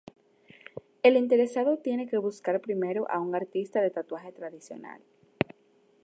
El interesado tiene que buscar primero a un artista de tatuaje tradicional.